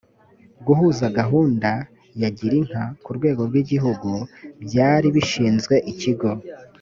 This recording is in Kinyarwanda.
guhuza gahunda ya girinka ku rwego rw igihugu byari bishinzwe ikigo